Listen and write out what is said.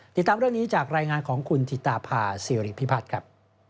ติดตามเรื่องนี้จากรายงานของคุณธิตาภาษิริพิพัฒน์ครับ